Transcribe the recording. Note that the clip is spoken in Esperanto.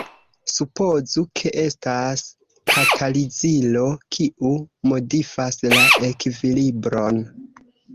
Supozu ke estas katalizilo kiu modifas la ekvilibron.